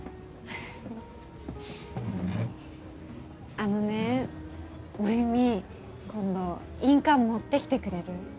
あのね繭美今度印鑑持ってきてくれる？